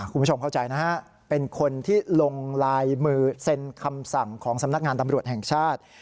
คุณผู้ชมเข้าใจนะฮะเป็นคนที่ลงลายมือเซ็นคำสั่งของสำนักงานตำรวจแห่งชาติ